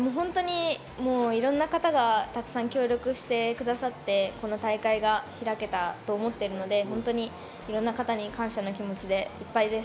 いろんな方がたくさん協力してくださって、この大会が開けたと思っているので、いろんな方に感謝の気持ちでいっぱいです。